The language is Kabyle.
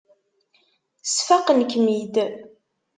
Sfaqen-kem-id.